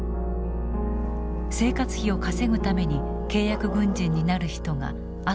生活費を稼ぐために契約軍人になる人が後を絶たない。